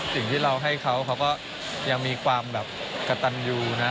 สิ่งที่เราให้เขาเขาก็ยังมีความแบบกระตันยูนะ